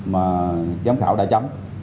mà giám khảo đã chấm